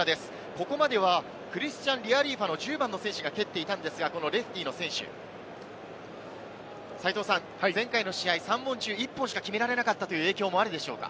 ここまではクリスチャン・リアリーファノ、１０番の選手が蹴っていたんですが、レフティーの選手、前回の試合、３本中１本しか決められなかったという影響もあるでしょうか？